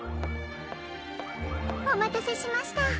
おまたせしました。